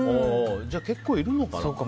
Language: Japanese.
じゃあ、結構いるのかな。